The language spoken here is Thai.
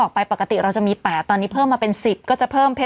บัวกว่าสีโซ่ม